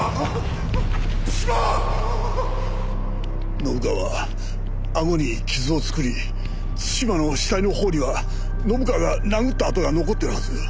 信川はアゴに傷を作り津島の死体の頬には信川が殴った痕が残ってるはず。